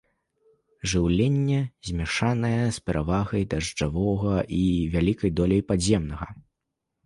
Жыўленне змяшанае, з перавагай дажджавога і вялікай доляй падземнага.